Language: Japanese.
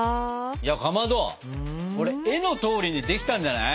いやかまどこれ絵のとおりにできたんじゃない？